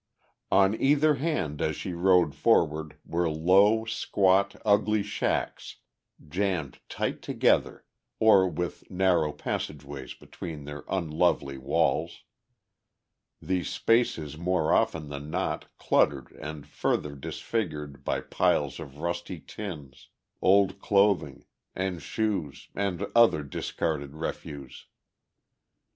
On either hand as she rode forward were low, squat, ugly shacks jammed tight together or with narrow passageways between their unlovely walls, these spaces more often than not cluttered and further disfigured by piles of rusty tins, old clothing and shoes and other discarded refuse.